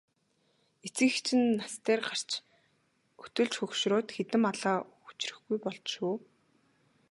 Эцэг эх чинь нас дээр гарч өтөлж хөгшрөөд хэдэн малаа хүчрэхгүй болж шүү.